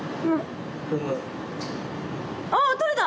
あっ取れた！